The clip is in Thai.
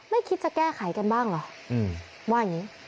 คิดจะแก้ไขกันบ้างเหรอว่าอย่างนี้